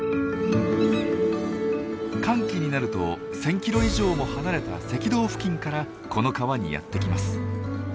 乾季になると１，０００キロ以上も離れた赤道付近からこの川にやって来ます。